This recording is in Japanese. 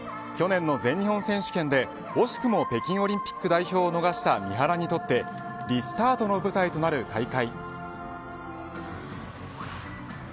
去年の全日本選手権で惜しくも北京オリンピック代表を逃した三原にとってリスタートの舞台となる大会。